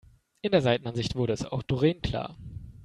In der Seitenansicht wurde es auch Doreen klar.